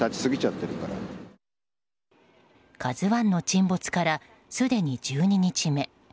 「ＫＡＺＵ１」の沈没からすでに１２日目。